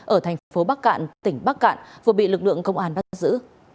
ở thành phố bắc cạn tỉnh bắc cạn vừa bị lực lượng công an bắt giữ